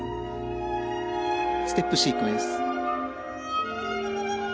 ステップシークエンス。